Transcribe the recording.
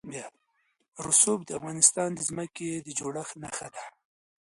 رسوب د افغانستان د ځمکې د جوړښت نښه ده.